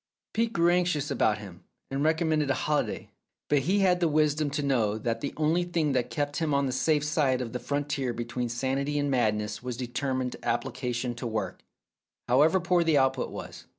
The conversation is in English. Phcebe grew anxious about him, and recommended a holi day, but he had the wisdom to know that the only thing that kept him on the safe side of the frontier between sanity and madness was determined appli cation to work, however poor the output was.